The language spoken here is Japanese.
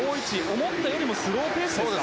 思ったよりもスローペースです。